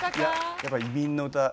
やっぱり「移民の歌」